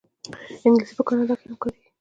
انګلیسي په کاناډا کې هم کارېږي